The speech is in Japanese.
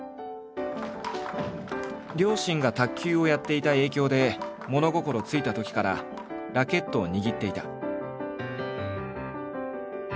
両親が卓球をやっていた影響で物心ついたときからラケットを握っていた。